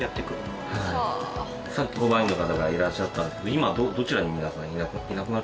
さっき甲板員の方がいらっしゃったんですけど今はどちらに皆さんいなくなっちゃいましたけど。